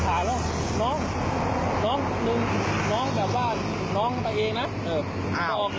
หาแล้วน้องน้องนึงน้องแบบว่าน้องไปเองน่ะเอออ้าว